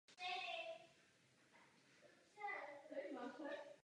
Karel Vilém byl známý pro svůj vcelku extravagantní životní styl se spoustou milenek.